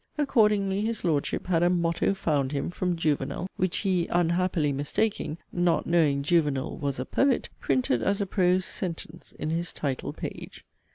Accordingly, his lordship had a 'motto found him' from 'Juvenal,' which he 'unhappily mistaking,' (not knowing 'Juvenal' was a 'poet,') printed as a prose 'sentence' in his 'title page.'